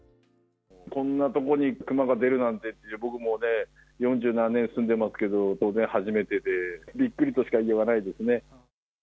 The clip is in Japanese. こんなとこに熊が出るなんてって、僕もね、四十何年住んでますけど、当然、初めてで、びっくりとしか言いようがないですね。